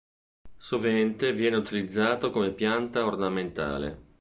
Sovente viene utilizzato come pianta ornamentale.